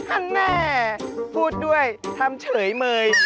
อันแม่พูดด้วยทำเฉยเมย